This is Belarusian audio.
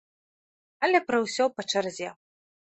Але пра ўсё па чарзе.